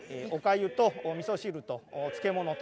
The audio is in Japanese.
おかゆとおみそ汁と漬物。